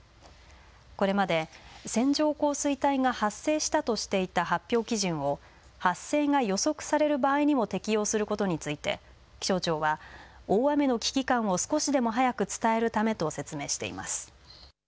これまで線状降水帯が発生したとしていた発表基準を発生が予測される場合にも適用することについて気象庁は大雨の危機感を少しでも早く伝えるためと説明しています。